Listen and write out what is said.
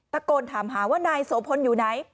ตะโกนถามหาว่านายโสพลอยู่ไหน